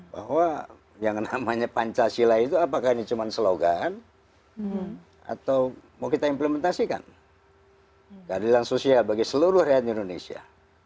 bahwa yang namanya pancasila itu apakah ini cuma slogan atau mau kita implementasikan keadilan sosial bagi seluruh rakyat indonesia